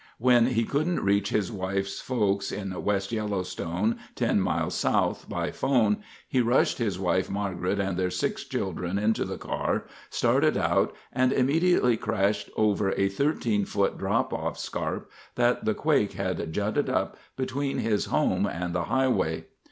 When he couldn't reach his wife's folks in West Yellowstone, 10 miles south, by phone, he rushed his wife, Margaret, and their six children into the car, started out, and immediately crashed over a 13 foot drop off scarp that the quake had jutted up between his home and the highway.